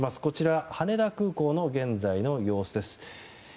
こちら羽田空港の現在の様子です。